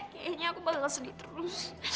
kayaknya aku bakal sedih terus